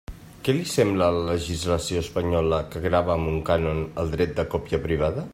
Què li sembla la legislació espanyola, que grava amb un cànon el dret de còpia privada?